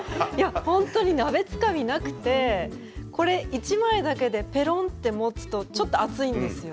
本当に鍋つかみなくてこれ１枚だけでてろんと保つとちょっと熱いんですよ。